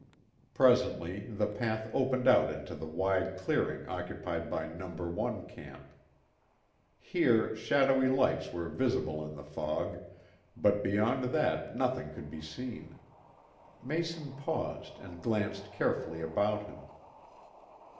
Presently the path opened out into the wide clearing occupied by No. 1 camp. Here shadowy lights were visible in the fog, but beyond that nothing could be seen. Mason paused and glanced carefully about him.